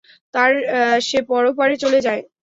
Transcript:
তার সে পরপারে চলে যায়।